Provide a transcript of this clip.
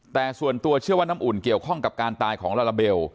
แต่ส่วนตัวเชื่อว่าน้ำอุ่นเกี่ยวข้องกับการตายของลาลาเบล